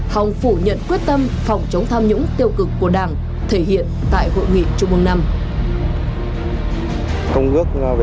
hòng phủ nhận quyết tâm phòng chống tham nhũng tiêu cực của đảng thể hiện tại hội nghị trung mương năm